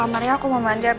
mau kemana lagi